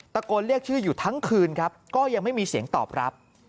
ตะโกนเรียกชื่ออยู่ทั้งคืนครับก็ยังไม่มีเสียงตอบรับ